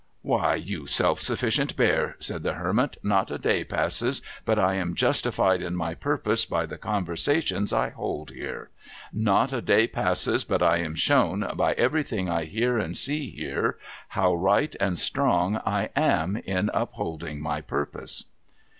' Why, you self sufficient bear,' said the Hermit, ' not a day passes but I am justified in my purpose by the conversations I hold here ; not a day passes but I am shown, by everything I hear and see here, how right and strong I am in holding my purpose.'